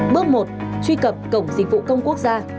bước một truy cập cổng dịch vụ công quốc gia